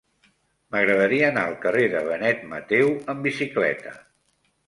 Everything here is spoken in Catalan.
M'agradaria anar al carrer de Benet Mateu amb bicicleta.